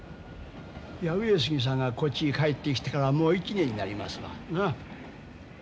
いや上杉さんがこっちに帰ってきてからもう１年になりますわ。